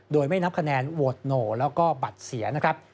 โดยไม่นับคะแนนโหวตโนแล้วก็บัตรเสียนะครับ